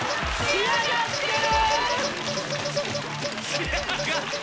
仕上がってる！